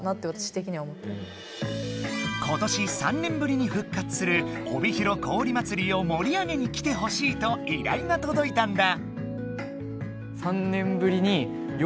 今年３年ぶりに復活する「おびひろ氷まつり」をもり上げに来てほしいといらいが届いたんだ。